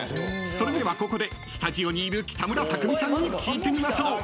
［それではここでスタジオにいる北村匠海さんに聞いてみましょう］